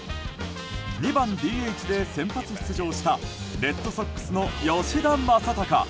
２番ＤＨで先発出場したレッドソックスの吉田正尚。